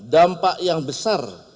dampak yang besar